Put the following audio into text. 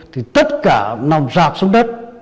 thì tất cả nằm rạp xuống đất